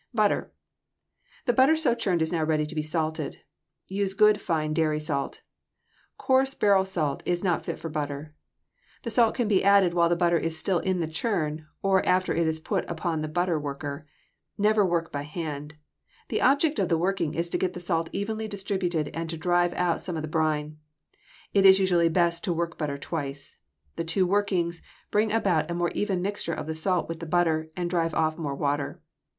=Butter.= The butter so churned is now ready to be salted. Use good fine dairy salt. Coarse barrel salt is not fit for butter. The salt can be added while the butter is still in the churn or after it is put upon the butter worker. Never work by hand. The object of working is to get the salt evenly distributed and to drive out some of the brine. It is usually best to work butter twice. The two workings bring about a more even mixture of the salt with the butter and drive off more water.